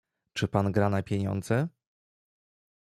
"„Czy pan gra na pieniądze?"